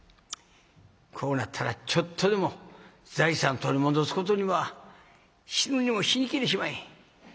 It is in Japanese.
こうなったらちょっとでも財産取り戻すことには死んでも死にきれしまへん。